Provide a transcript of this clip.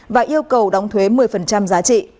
và yêu cầu đóng thuế một mươi giá trị